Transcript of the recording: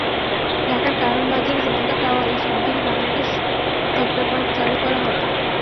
ঢাকার কারওয়ান বাজারে জনতা টাওয়ারে শিগগিরই বাংলাদেশ সফটওয়্যার পার্ক চালু করা হবে।